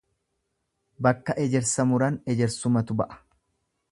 Bakka ejersa muran ejersumatu ba'a.